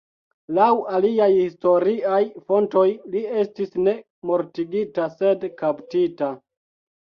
Laŭ aliaj historiaj fontoj li estis ne mortigita, sed kaptita.